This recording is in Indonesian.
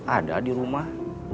ada di rumah